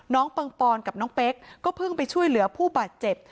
ปังปอนกับน้องเป๊กก็เพิ่งไปช่วยเหลือผู้บาดเจ็บ